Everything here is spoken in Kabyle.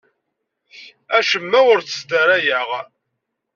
Acemma ur t-sdarayeɣ.